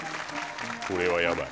これはヤバい。